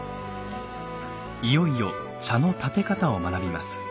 いよいよ茶の点て方を学びます。